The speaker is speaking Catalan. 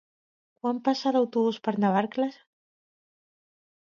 Quan passa l'autobús per Navarcles?